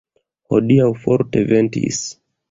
Hodiaŭ forte ventis.